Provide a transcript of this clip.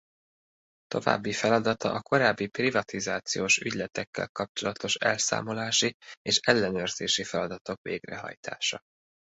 További feladata a korábbi privatizációs ügyletekkel kapcsolatos elszámolási és ellenőrzési feladatok végrehajtása.